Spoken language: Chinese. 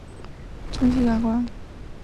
每一个行星都由当地的行星总督管辖。